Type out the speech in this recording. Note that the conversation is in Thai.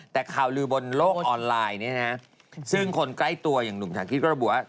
แต่ข่าวลือบนโลกออนไลน์เนี่ยนะซึ่งคนใกล้ตัวอย่างหนุ่มสาธิตก็ระบุว่า